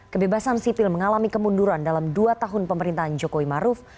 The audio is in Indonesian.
kebebasan sipil mengalami kemunduran dalam dua tahun pemerintahan jokowi maruf